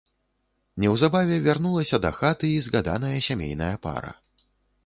Неўзабаве вярнулася дахаты і згаданая сямейная пара.